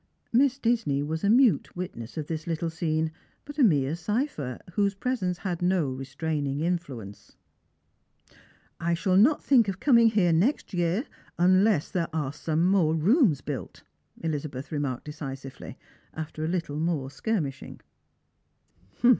Miss Disney was a mute witness of this little scene, but a msre cipher, whose presence had no restraining influence. " I shall not think of coming here next year unless there are some more rooms built," Elizabeth remarked decisively, after a little more skirmishing.